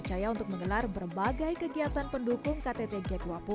percaya untuk menggelar berbagai kegiatan pendukung ktt g dua puluh